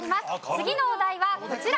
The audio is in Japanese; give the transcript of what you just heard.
次のお題はこちら。